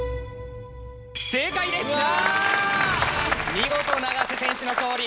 見事永瀬選手の勝利。